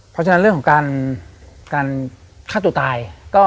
เพราะฉะนั้นเรื่องของการฆ่าตัวตาย